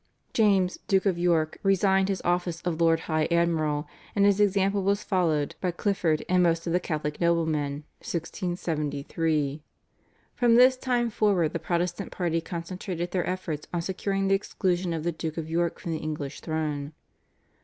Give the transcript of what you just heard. James, Duke of York, resigned his office of Lord High Admiral and his example was followed by Clifford and most of the Catholic noblemen (1673). From this time forward the Protestant party concentrated their efforts on securing the exclusion of the Duke of York from the English throne.